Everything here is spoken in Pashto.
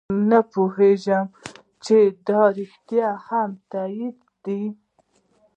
نه پوهېږو چې دا رښتیا هم تایید دی.